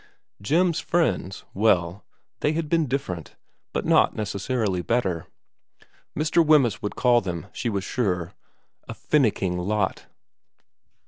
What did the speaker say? Jim's friends, well, they had been different, but not necessarily better. Mr. Wemyss would call them, she was sure, a finicking lot.